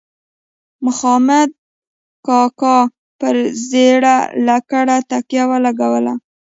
مخامد کاکا پر زیړه لکړه تکیه ولګوه.